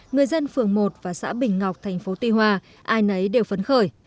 người dân phường một và xã bình ngọc thành phố tuy hòa ai nấy đều phấn khởi